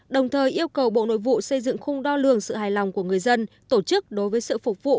đồng thời yêu cầu bộ nội vụ xây dựng khung đo lường sự hài lòng của người dân tổ chức đối với sự phục vụ